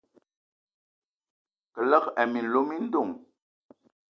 Kəlag hm a minlo mi ndoŋ !